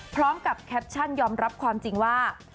พร้อมกับแคปชั่นยอมรับความจริงว่า